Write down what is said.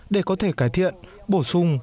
để có thể cải thiện bổ sung